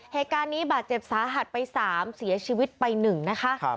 เหตุการณ์นี้บาดเจ็บสาหัสไป๓เสียชีวิตไป๑นะคะ